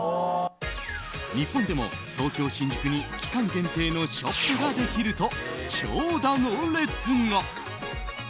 日本でも東京・新宿に期間限定のショップができると長蛇の列が。